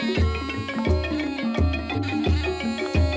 โชคดีครับ